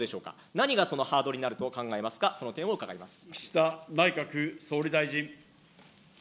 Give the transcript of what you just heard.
何がそのハードルになると考えますか、その点を伺います。